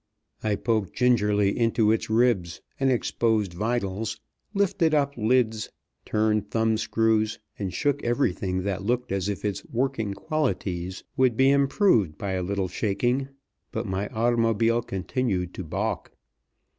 I poked gingerly into its ribs and exposed vitals; lifted up lids; turned thumb screws, and shook everything that looked as if its working qualities would be improved by a little shaking, but my automobile continued to balk.